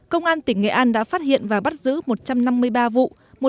công an tỉnh nghệ an đã phát hiện và bắt giữ một trăm năm mươi ba vụ